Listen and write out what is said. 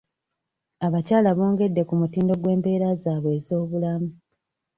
Abakyala bongedde ku mutindo gw'embeera zaabwe ez'obulamu.